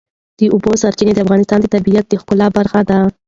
د اوبو سرچینې د افغانستان د طبیعت د ښکلا برخه ده.